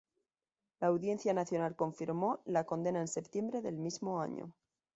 La Audiencia Nacional confirmó la condena en septiembre del mismo año.